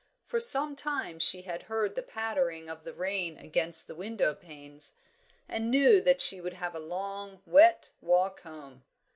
For some time she had heard the pattering of the rain against the window panes, and knew that she would have a long, wet walk home.